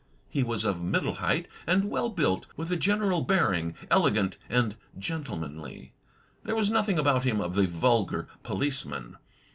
He was of middle height and well built, with a general bearing elegant and gentlemanly. There was nothing about him of the vulgar policeman.